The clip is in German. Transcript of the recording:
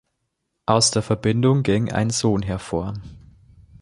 Aus der Verbindung ging ein Sohn hervor.